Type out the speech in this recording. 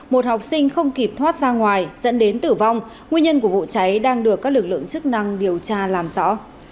một học sinh không kịp thoát ra ngoài dẫn đến tử vong nguyên nhân của vụ cháy đang được các lực lượng chức năng điều tra làm rõ